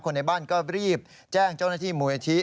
คนในบ้านก็รีบแจ้งเจ้าหน้าที่หมุยธิ